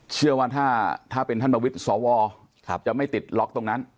เชื่อว่าถ้าเป็นท่านประวิทย์สวจะไม่ติดล็อกตรงนั้น